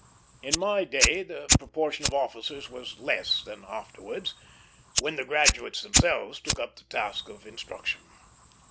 In my day the proportion of officers was less than afterwards, when the graduates themselves took up the task of instruction.